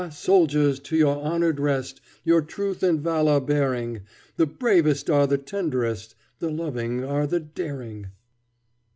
soldiers, to your honored rest, Your truth and valor bearing, The bravest are the tenderest, The loving are the daring!"